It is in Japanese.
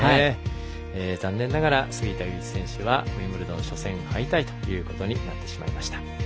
残念ながら杉田祐一はウィンブルドン初戦敗退ということになってしまいました。